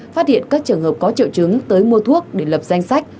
phát hiện các trường hợp có triệu chứng tới mua thuốc để lập danh sách